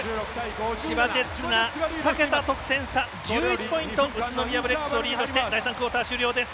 千葉ジェッツが２桁得点差１１ポイント宇都宮ブレックスをリードして第３クオーター終了です。